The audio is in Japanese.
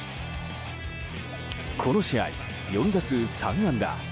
この試合、４打数３安打。